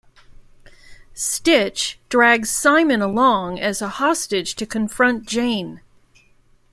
Stitch drags Simon along as a hostage to confront Jayne.